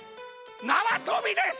なわとびです！